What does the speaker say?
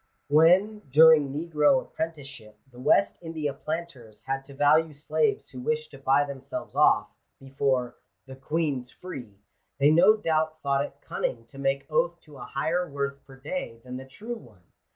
When, during negro apprenticeship, the West India planters had to value slaves who wished to buy them selves off, before " the Queen's free," they no doubt thought it cunning to make oath to a higher worth per day than the true one.